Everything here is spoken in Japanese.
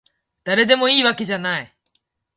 だれでもいいわけじゃない